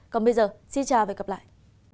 còn bây giờ xin chào và hẹn gặp lại